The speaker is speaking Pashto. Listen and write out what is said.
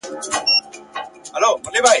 ملنګه ! د لونګو څانګې لارې د چا څاري؟ ..